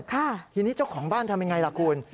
ทีนี้เจ้าของบ้านทำยังไงล่ะคุณ